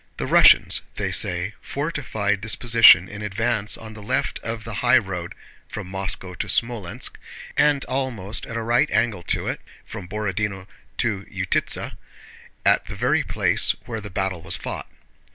The Russians, they say, fortified this position in advance on the left of the highroad (from Moscow to Smolénsk) and almost at a right angle to it, from Borodinó to Utítsa, at the very place where the battle was fought.